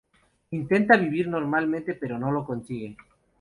Intenta vivir normalmente, pero no lo consigue.